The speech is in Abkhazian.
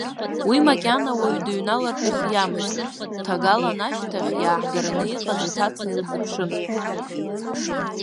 Уи макьана уаҩы дыҩналартә ирхиамызт, ҭагаланшьҭахь иааҳгараны иҟаз аҭаца илзыԥшын.